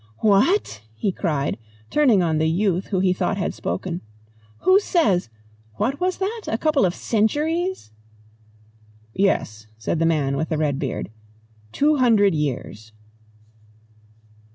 "What?" he cried, turning on the youth who he thought had spoken. "Who says ? What was that? A couple of centuries!" "Yes," said the man with the red beard. "Two hundred years."